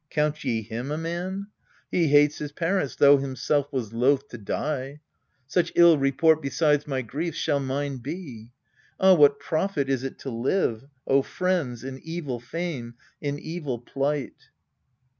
Count ye him a man? ALCESTIS 231 He hates his parents, though himself was loath To die !" Such ill report, besides my griefs, Shall mine be. Ah, what profit is to live, O friends, in evil fame, in evil plight?